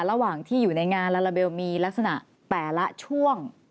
ระหว่างที่อยู่ในงานลาลาเบลมีลักษณะแต่ละช่วง